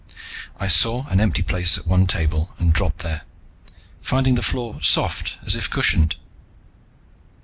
I saw an empty place at one table and dropped there, finding the floor soft, as if cushioned.